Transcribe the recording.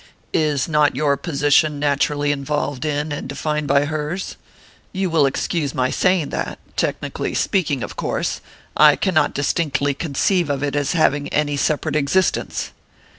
"Is not your position naturally involved in and defined by hers? You will excuse my saying that technically speaking, of course I cannot distinctly conceive of it as having any separate existence."